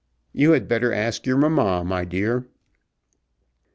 "You had better ask your mamma, my dear."